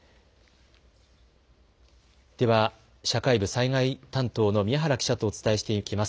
では社会部災害担当の宮原記者とお伝えしていきます。